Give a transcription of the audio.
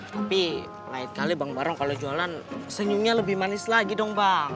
tapi lain kali bang barang kalau jualan senyumnya lebih manis lagi dong bang